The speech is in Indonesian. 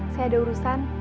saya ada urusan